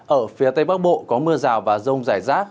ở phía tây bắc bộ có mưa rào và rông rải rác